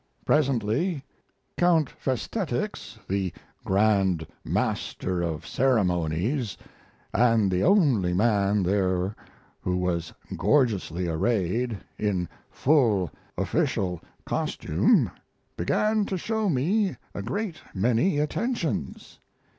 Presently, Count Festetics, the Grand Master of ceremonies, and the only man there who was gorgeously arrayed, in full official costume, began to show me a great many attentions.